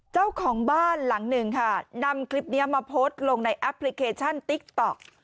เจ้าของบ้านหลังหนึ่งค่ะนำคลิปนี้มาโพสต์ลงในแอปพลิเคชันติ๊กต๊อก